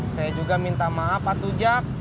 saya juga minta maaf pak tujak